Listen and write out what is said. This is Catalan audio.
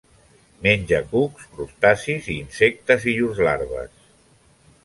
Menja cucs, crustacis i insectes i llurs larves.